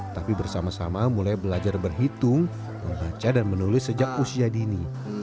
tapi bersama sama mulai belajar berhitung membaca dan menulis sejak usia dini